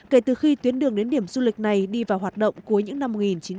kể từ khi tuyến đường đến điểm du lịch này đi vào hoạt động cuối những năm một nghìn chín trăm bảy mươi